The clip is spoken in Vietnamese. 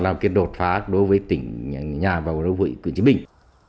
làm đột phá đối với tỉnh nhà và quốc hội cụ chí bình